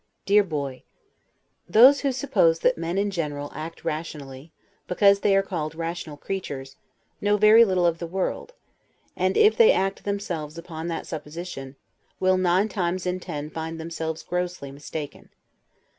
DEAR BOY: Those who suppose that men in general act rationally, because they are called rational creatures, know very little of the world, and if they act themselves upon that supposition, will nine times in ten find themselves grossly mistaken.